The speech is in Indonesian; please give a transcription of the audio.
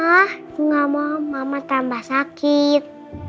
aku gak mau mama tambah sakit